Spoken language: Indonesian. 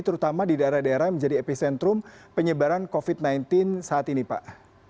terutama di daerah daerah yang menjadi epicentrum penyebaran covid sembilan belas saat ini pak